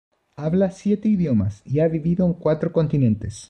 Habla siete idiomas y ha vivido en cuatro continentes.